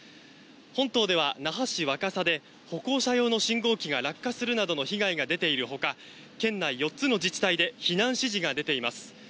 本島では那覇市若狭で歩行者用の信号機が落下するなどの被害が出ているほか県内４つの自治体で避難指示が出ています。